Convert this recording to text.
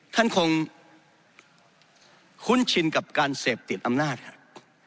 ท่านคงคุ้นชินกับการเสพติดอำนาจครับ